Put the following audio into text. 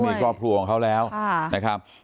มีกล้อปลัวของเขาแล้วนะครับ